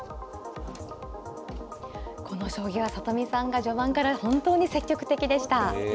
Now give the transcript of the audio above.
この将棋は里見さんが序盤から本当に積極的でした。